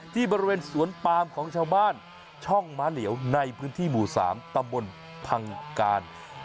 ที่บริเวณสวนปามของชาวบ้านช่องม้าเหลียวในพื้นที่หมู่๓ตำบลพังการ